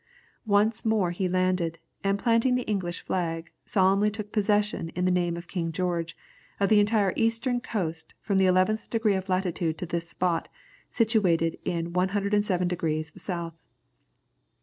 Once more he landed, and planting the English flag, solemnly took possession in the name of King George, of the entire Eastern Coast from the eighteenth degree of latitude to this spot, situated in 107 degrees south.